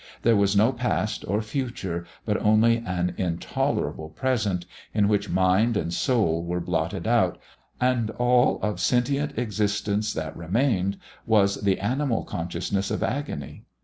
There was no past or future, but only an intolerable present, in which mind and soul were blotted out, and all of sentient existence that remained was the animal consciousness of agony.